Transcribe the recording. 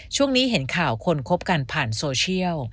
ช่วงนี้เห็นข่าวคนคบกันผ่านโซเชียล